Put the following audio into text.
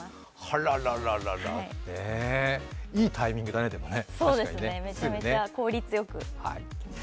あらららら、いいタイミングだね、でもね。